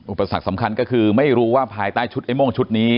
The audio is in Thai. อุปสรรคสำคัญก็คือไม่รู้ว่าภายใต้ชุดไอ้โม่งชุดนี้